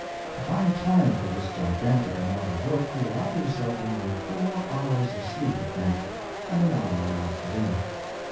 To find time for this gigaiitic amount of work he allowed himself only four hours of sleep at night, and an hour after dinner.